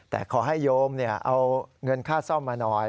แต่ขอให้โยมเอาเงินค่าซ่อมมาหน่อย